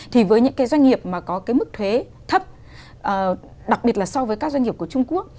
thì với những cái doanh nghiệp mà có cái mức thuế thấp đặc biệt là so với các doanh nghiệp của trung quốc